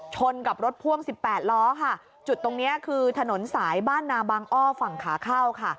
ชนกับรถพ่วงสิบแปดล้อค่ะจุดตรงนี้คือถนนสายบ้านนาบางอ้อฝั่งขาเข้าค่ะ